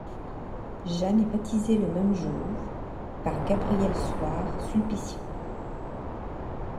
Jeanne est baptisée le même jour par Gabriel Souart, sulpicien.